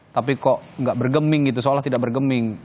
tapi kok nggak bergeming gitu seolah tidak bergeming